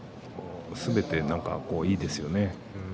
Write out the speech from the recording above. すべて何かいいですよね。